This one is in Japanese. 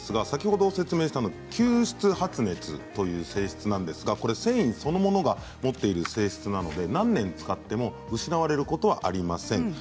先ほど説明した吸湿発熱という性質ですが繊維そのものが持っている性質なので何年使っても失われることはありません。